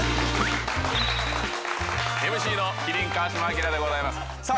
ＭＣの麒麟川島明でございますさあ